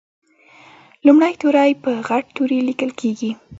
لومړی توری په غټ توري لیکل کیږي.